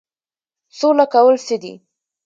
سوله کول څه دي؟